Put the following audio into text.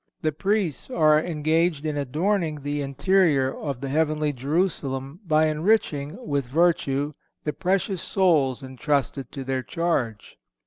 The Priests are engaged in adorning the interior of the heavenly Jerusalem by enriching, with virtue, the precious souls entrusted to their charge.